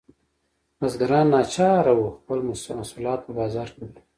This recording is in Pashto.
بزګران ناچاره وو خپل محصولات په بازار کې وپلوري.